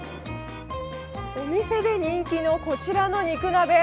お店で人気のこちらの肉鍋。